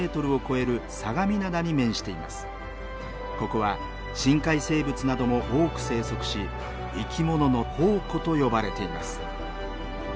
ここは深海生物なども多く生息し「生きものの宝庫」と呼ばれています。